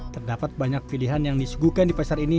terdapat banyak pilihan yang disuguhkan di pasar ini